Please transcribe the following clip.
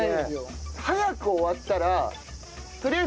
早く終わったら。